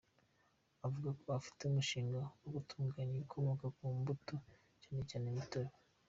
Avuga ko afite umushinga wo gutunganya ibikomoka ku mbuto, cyane cyane imitobe.